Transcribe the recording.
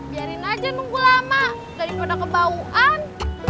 biarin aja nunggu lama daripada kebauan